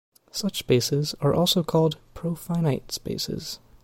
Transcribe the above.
Such spaces are also called "profinite" spaces.